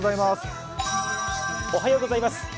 おはようございます。